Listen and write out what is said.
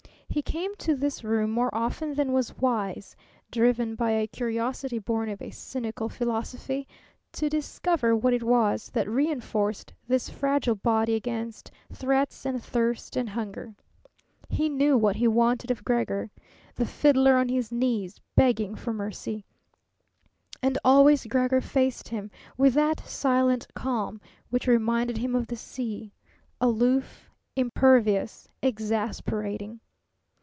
He came to this room more often than was wise, driven by a curiosity born of a cynical philosophy to discover what it was that reenforced this fragile body against threats and thirst and hunger. He knew what he wanted of Gregor the fiddler on his knees begging for mercy. And always Gregor faced him with that silent calm which reminded him of the sea, aloof, impervious, exasperating.